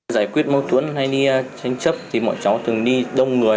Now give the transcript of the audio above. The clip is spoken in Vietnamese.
giải quyết mâu thuẫn hay đi tranh chấp thì mọi cháu thường đi đông người